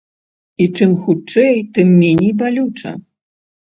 І чым хутчэй, тым меней балюча.